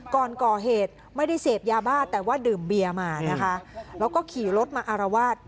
ก่อนก่อเหตุไม่ได้เสพยาบ้าแต่ว่าดื่มเบียร์มานะคะแล้วก็ขี่รถมาอารวาส